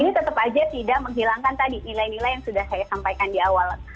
ini tetap saja tidak menghilangkan tadi nilai nilai yang sudah saya sampaikan di awal